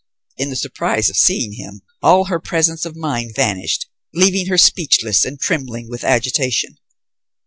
In the surprise of seeing him, all her presence of mind vanished, leaving her speechless and trembling with agitation.